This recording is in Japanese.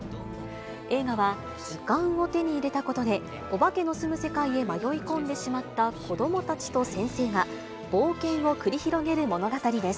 映画は、ずかんを手に入れたことで、お化けの住む世界へ迷い込んでしまった子どもたちと先生が、冒険を繰り広げる物語です。